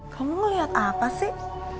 kamu ngeliat apa sih